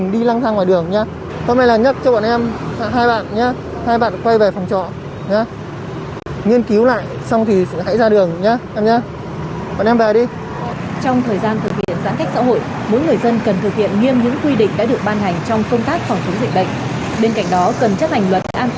đến cạnh đó cần chấp hành luật an toàn sau thông đủ bộ khi điều khiển phương tiện